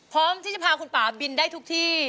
พร้อมที่จะพาคุณป่าบินได้ทุกที่